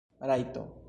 rajto